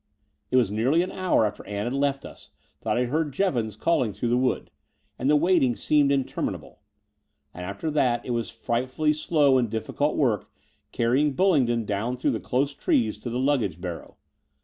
It was nearly an hour after Ann had left us that I heard Jevons calling through the wood, and the waiting seemed interminable; and after that it was frightfully slow and difficult work carrying Bulling don through the dose trees to the luggage barrow.